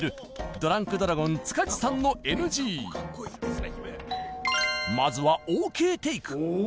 ドラゴン塚地さんのＮＧまずはＯＫテイクおお？